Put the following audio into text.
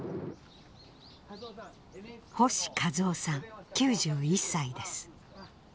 星一男さん９１歳です。